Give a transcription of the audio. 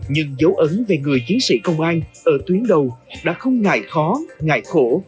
nhưng dấu ấn về người chiến sĩ công an ở tuyến đầu đã không ngại khó ngại khổ